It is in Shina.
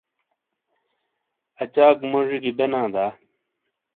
اچاک موڇی گی بینا دا؟